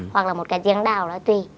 hoặc là một cái giếng đảo đó tùy